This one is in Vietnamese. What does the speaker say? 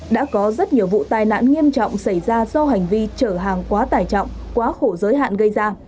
đã có rất nhiều vụ tai nạn nghiêm trọng xảy ra do hành vi chở hàng quá tải trọng quá khổ giới hạn gây ra